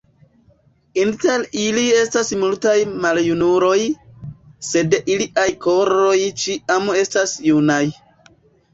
Inter ili estas multaj maljunuloj, sed iliaj koroj ĉiam estas junaj.